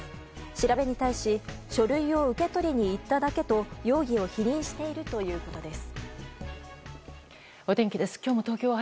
調べに対し書類を受け取りに行っただけと容疑を否認しているということです。